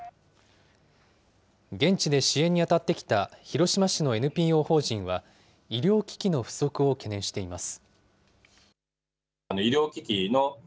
現地で支援に当たってきた広島市のＮＰＯ法人は、医療機器の不足を懸念しています。